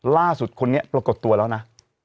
ล่าสุดคนนี้ปรากฏตัวแล้วนะ